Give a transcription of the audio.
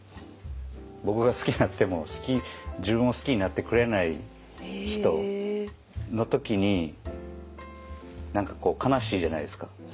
僕が好きになっても自分を好きになってくれない人の時に何かこう悲しいじゃないですか。